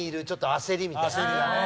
焦りだね。